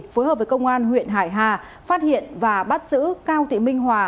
phối hợp với công an huyện hải hà phát hiện và bắt giữ cao thị minh hòa